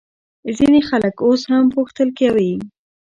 ځینې خلک اوس هم پوښتل کوي.